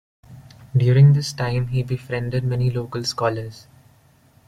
During this time he befriended many local scholars.